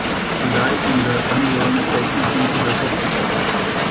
He died in the ambulance taking him to the hospital.